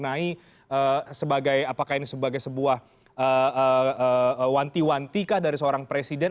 apakah ini sudah dimaknai sebagai apakah ini sebagai sebuah wanti wanti kah dari seorang presiden